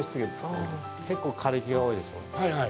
結構、枯れ木が多いでしょう。